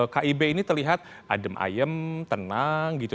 kib ini terlihat adem ayem tenang gitu